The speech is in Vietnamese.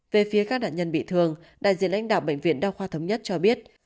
về phía các nạn nhân bị thương đại diện lãnh đạo bệnh viện đa khoa thống nhất cho biết